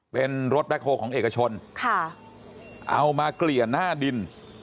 เป็นรถแบ็คโฮลของเอกชนค่ะเอามาเกลี่ยหน้าดิน